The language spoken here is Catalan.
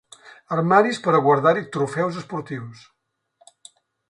Armaris per a guardar-hi trofeus esportius.